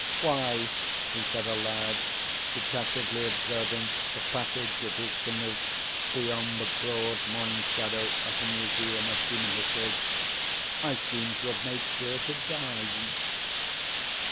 "Why," he said aloud, detachedly observing the passage of his canoe beyond the broad morning shadow of the Museum of Human History, "I seem to have made sure to die."